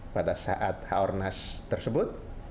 pada saat h o r n a s tersebut